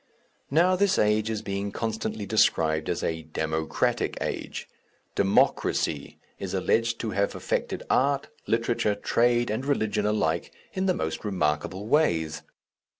Now, this age is being constantly described as a "Democratic" age; "Democracy" is alleged to have affected art, literature, trade and religion alike in the most remarkable ways.